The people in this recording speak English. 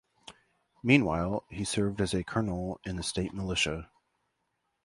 Meanwhile, he served as a colonel in the state militia.